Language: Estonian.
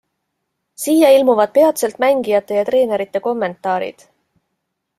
Siia ilmuvad peatselt mängijate ja treenerite kommentaarid.